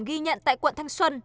ghi nhận tại quận thanh xuân